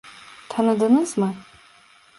Tanıdınız mı?